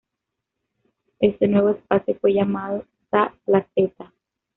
Este nuevo espacio fue llamado "Sa Placeta".